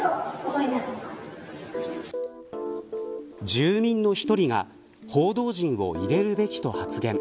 住民の１人が報道陣を入れるべきと発言。